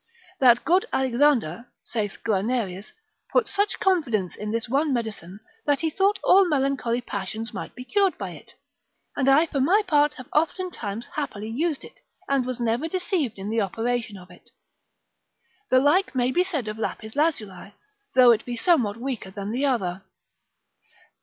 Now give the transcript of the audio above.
That good Alexander (saith Guianerus) puts such confidence in this one medicine, that he thought all melancholy passions might be cured by it; and I for my part have oftentimes happily used it, and was never deceived in the operation of it. The like may be said of lapis lazuli, though it be somewhat weaker than the other.